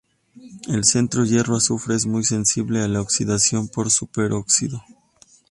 El centro hierro-azufre es muy sensible a la oxidación por superóxido.